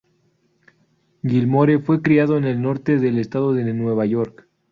Gilmore fue criado en el norte del estado de Nueva York.